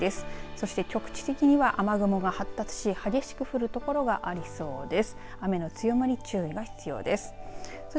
そして、局地的には雨雲が発達し激しく降るところがありそうです。